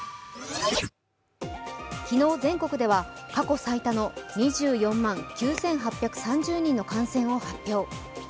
昨日全国では過去最多の２４万９８３０人の感染を発表。